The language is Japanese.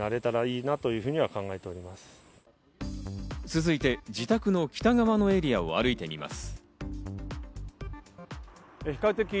続いて自宅の北側のエリアを歩いてみます。